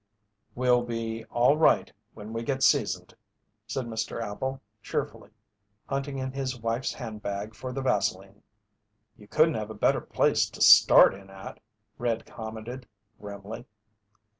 "We'll be all right when we get seasoned," said Mr. Appel, cheerfully, hunting in his wife's handbag for the vaseline. "You couldn't have a better place to start in at," "Red" commented, grimly.